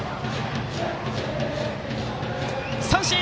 三振！